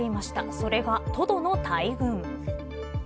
それが、トドの大群。